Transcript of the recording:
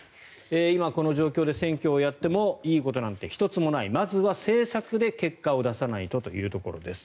今、この状況で選挙をやってもいいことなんて１つもないまずは政策で結果を出さないとというところです。